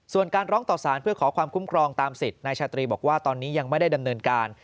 ส่วนการร้องต่อสารเพื่อขอความคุ้มครองตามสิทธิ์นายชาตรีบอกว่าตอนนี้ยังไม่ได้ดำเนินการ